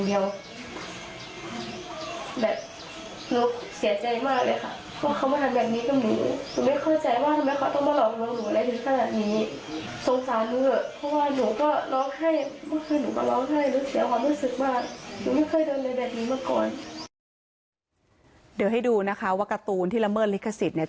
เดี๋ยวให้ดูนะคะว่าการ์ตูนที่ละเมิดลิขสิทธิ์เนี่ย